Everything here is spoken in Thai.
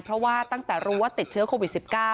เพราะว่าตั้งแต่รู้ว่าติดเชื้อโควิด๑๙